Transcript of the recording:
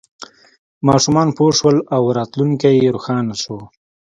ماشومان پوه شول او راتلونکی یې روښانه شو.